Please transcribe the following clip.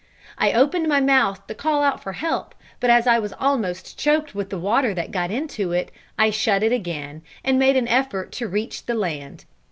I opened my mouth to call out for help; but as I was almost choked with the water that got into it, I shut it again, and made an effort to reach the land.